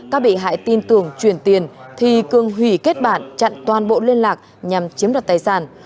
các bị hại tin tưởng chuyển tiền thì cường hủy kết bạn chặn toàn bộ liên lạc nhằm chiếm đoạt tài sản